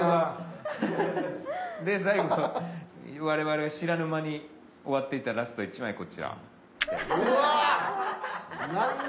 我々は知らぬ間に終わっていたラスト１枚こちら。